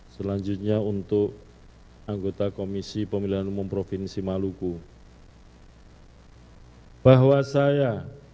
selanjutnya untuk anggota komisi pemilihan umum provinsi maluku bahwa saya